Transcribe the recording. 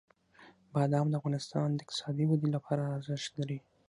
بادام د افغانستان د اقتصادي ودې لپاره ارزښت لري.